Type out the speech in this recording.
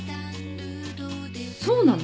そうなの？